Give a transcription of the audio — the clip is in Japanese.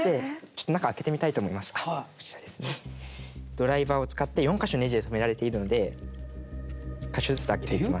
ドライバーを使って４か所ネジで止められているので１か所ずつ開けていきます。